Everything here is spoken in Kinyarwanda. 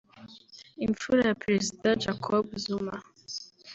Imfura ya Perezida Jacob Zuma